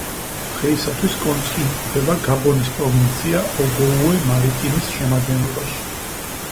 დღეისათვის კონცხი იმყოფება გაბონის პროვინცია ოგოუე-მარიტიმის შემადგენლობაში.